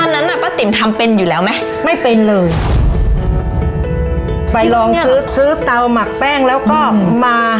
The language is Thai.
นั้นอ่ะป้าติ๋มทำเป็นอยู่แล้วไหมไม่เป็นเลยไปลองซื้อซื้อเตาหมักแป้งแล้วก็มา